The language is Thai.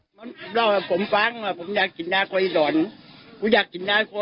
ผมก็นั่งฟักมันเฉยแล้วผมก็ไม่พูดมาหลายแล้วแหละ